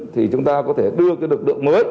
thì chúng ta có thể đưa cái lực lượng mới